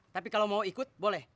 tapi kalau mau ikut boleh